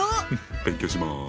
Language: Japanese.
勉強します！